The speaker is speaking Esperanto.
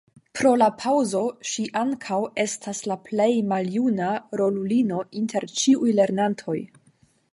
Pro la paŭzo, ŝi ankaŭ estas la plej maljuna rolulino inter ĉiuj lernantoj.